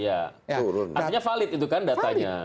artinya valid itu kan datanya